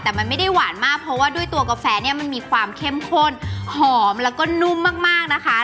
แต่มันไม่ได้หวานมากเพราะว่าด้วยตัวกาแฟเนี่ยมันมีความเข้มข้นหอมแล้วก็นุ่มมากนะคะ